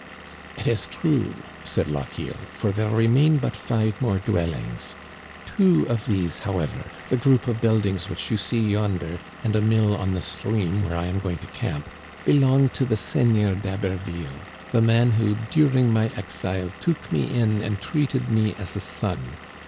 " It is true," said Lochiel, " for there remain but five more dwellings. Two of these, however, the group of buildings which you see yonder and a mill on the stream where I am going to camp, belong to the Seigneur d'Haberville, the man who during my exile took me in and treated me as a son.